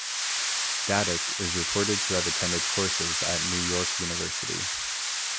Dadak is reported to have attended courses at New York University.